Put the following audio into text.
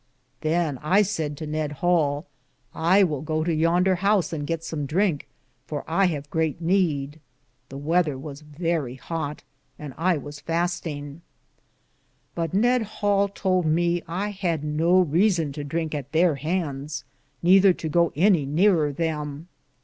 Than saide I to Ned Hale : I will go to yender house and gitt som drinke, for I have greate neede. The wether was verrie hote, and I was fastinge. But Ned Hale tould me that I had no reason to drinke at there handes, nether to go any nearer them.